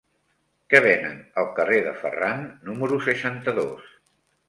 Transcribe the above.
Què venen al carrer de Ferran número seixanta-dos?